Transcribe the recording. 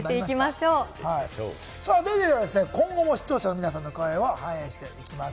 『ＤａｙＤａｙ．』では今後も視聴者の皆さんの声を反映していきます。